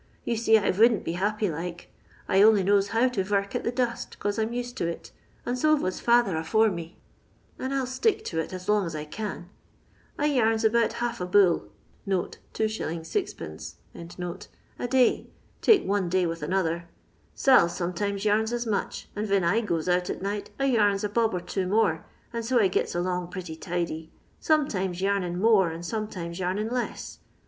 Ton see I vouldn't be 'appy like; I only knows how to vork at the dust 'cause I'm used to it, and so vos father afore me, and 1 11 stick to it as long as I can. I yarns about half a bull [2s, 6d,] a day, take one day with another. Sail sometimes yarns as much, and ven I goes out at night I yams a bob or two more, and so I giu along pretty tidy ; sometimes yarniu more and sometimes yarnin less.